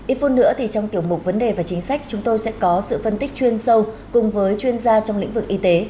ít phút nữa thì trong tiểu mục vấn đề và chính sách chúng tôi sẽ có sự phân tích chuyên sâu cùng với chuyên gia trong lĩnh vực y tế